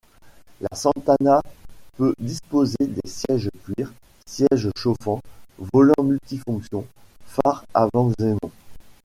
La Santana peut disposer des sièges cuir, sièges chauffants, volant multifonctions, phares avant Xénon.